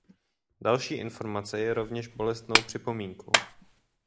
Další informace je rovněž bolestnou připomínkou.